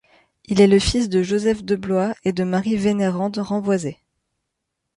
Il est le fils de Joseph Deblois et de Marie Vénérande Renvoizé.